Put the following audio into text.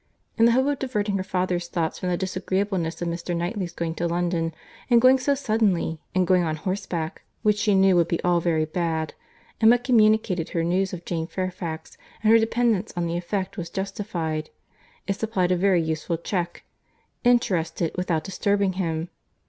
In the hope of diverting her father's thoughts from the disagreeableness of Mr. Knightley's going to London; and going so suddenly; and going on horseback, which she knew would be all very bad; Emma communicated her news of Jane Fairfax, and her dependence on the effect was justified; it supplied a very useful check,—interested, without disturbing him.